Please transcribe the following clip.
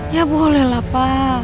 ya boleh lah papa